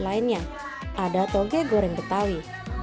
lainnya ada toge goreng betawi